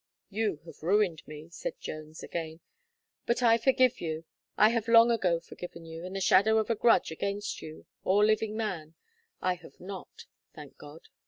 "You have ruined me," said Jones again; "but I forgive you, I have long ago forgiven you, and the shadow of a grudge against you, or living man, I have not, thank God!"